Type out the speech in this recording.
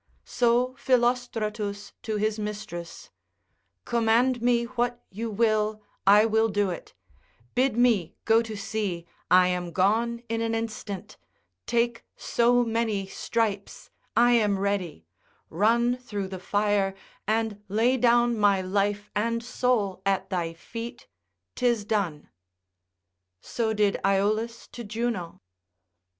So Philostratus to his mistress, Command me what you will, I will do it; bid me go to sea, I am gone in an instant, take so many stripes, I am ready, run through the fire, and lay down my life and soul at thy feet, 'tis done. So did. Aeolus to Juno.